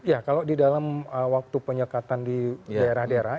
ya kalau di dalam waktu penyekatan di daerah daerah